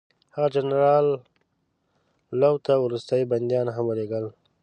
هغه جنرال لو ته وروستي بندیان هم ولېږل.